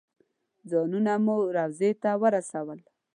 ځانونه مو روضې ته ورسول.